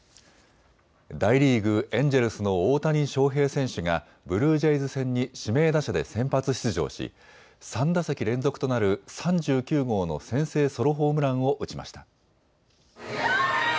大リーグ、エンジェルスの大谷翔平選手がブルージェイズ戦に指名打者で先発出場し３打席連続となる３９号の先制ソロホームランを打ちました。